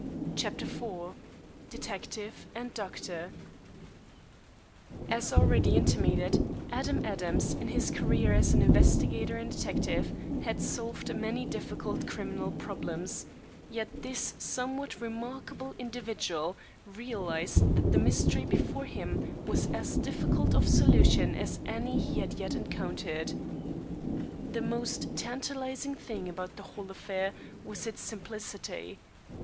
CHAPTER IV DETECTIVE AND DOCTOR As already intimated, Adam Adams, in his career as an investigator and detective, had solved many difficult criminal problems, yet this somewhat remarkable individual realized that the mystery before him was as difficult of solution as any he had yet encountered. The most tantalizing thing about the whole affair was its simplicity.